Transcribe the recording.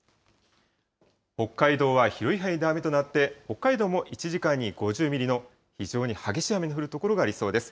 北海道は広い範囲で雨となって、北海道も１時間に５０ミリの非常に激しい雨の降る所がありそうです。